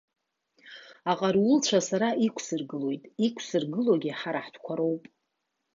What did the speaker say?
Аҟарулцәа сара иқәсыргылоит, иқәсыргылогьы ҳара ҳтәқәа роуп.